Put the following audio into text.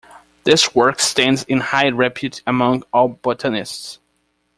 This work stands in high repute among all botanists.